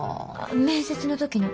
面接の時の。